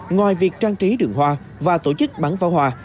ngoài việc trang trí đường hoa và tổ chức bắn pháo hoa